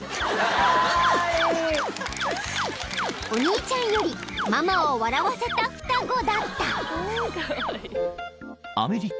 ［お兄ちゃんよりママを笑わせた双子だった］